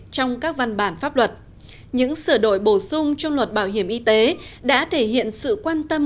trong các văn bản pháp luật những sửa đổi bổ sung trong luật bảo hiểm y tế đã thể hiện sự quan tâm